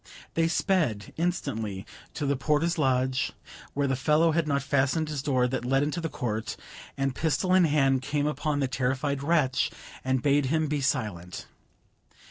They sped instantly to the porter's lodge, where the fellow had not fastened his door that led into the court; and pistol in hand came upon the terrified wretch, and bade him be silent.